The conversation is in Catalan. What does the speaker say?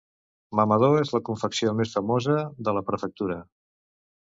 Mamador és la confecció més famosa de la prefectura.